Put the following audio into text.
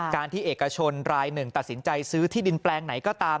การที่เอกชนรายหนึ่งตัดสินใจซื้อที่ดินแปลงไหนก็ตาม